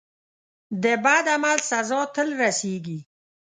د بد عمل سزا تل رسیږي.